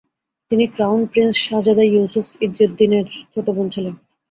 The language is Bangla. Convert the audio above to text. তিনি ক্রাউন প্রিন্স শাহজাদা ইউসুফ ইজ্জেদ্দিনের ছোট বোন ছিলেন।